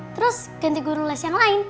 terus ganti guru les yang lain